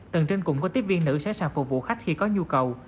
tầng trên cũng có tiếp viên nữ sẽ sẵn phục vụ khách khi có nhu cầu